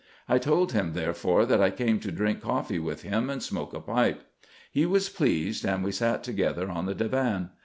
I told him, therefore, that I came to drink coffee with him, and smoke a pipe. He was pleased, and we sat together on the divan.